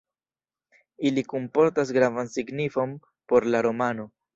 Ili kunportas gravan signifon por la romano.